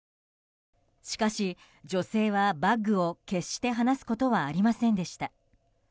しかし、女性はバッグを決して離すことはありませんでした。